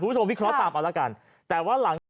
ผู้ชมวิเคราะห์ตามเอาละกัน